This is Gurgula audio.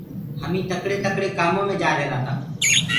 هميٚ تڪڙي ٿڪڙي ڪآمو مي جآرهيرآ تآ۔